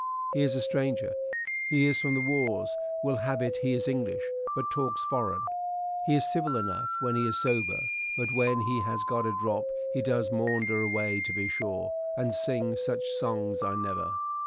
He is a stranger. He is from the wars: will have it he is English, but talks foreign. He is civil enough when he is sober, but when he has got a drop he does maunder away to be sure, and sings such songs I never."